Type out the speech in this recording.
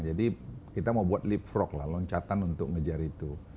jadi kita mau buat leapfrog loncatan untuk mengejar itu